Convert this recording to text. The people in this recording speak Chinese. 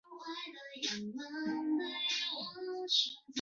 乾隆五十四年提督江苏学政。